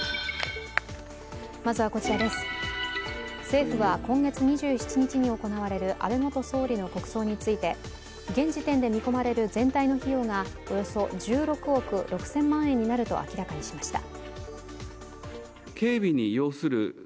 政府は今月２７日に行われる安倍元総理の国葬について現時点で見込まれる全体の費用がおよそ１６億６０００万円になると明らかにしました。